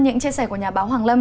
những chia sẻ của nhà báo hoàng lâm